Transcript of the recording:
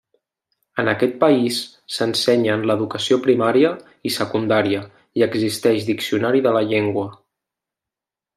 En aquest país s'ensenya en l'educació primària i secundària i existeix diccionari de la llengua.